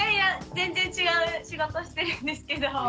全然違う仕事してるんですけど。